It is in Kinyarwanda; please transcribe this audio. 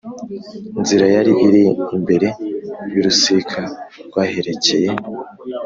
nzira yari iri imbere y urusika rw aherekeye